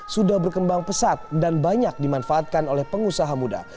sudah berkembang pesat dan banyak dimanfaatkan oleh pengusaha muda